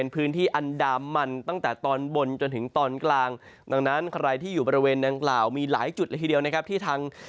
ภัดรายที่อยู่บริเวณทางกล่าวมีหลายจุดในทีเดียวที่ทาง